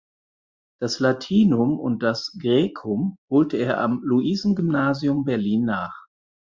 Das Latinum und Graecum holte er am Luisengymnasium Berlin nach.